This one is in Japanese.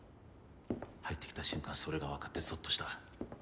入ってきた瞬間それがわかってぞっとした。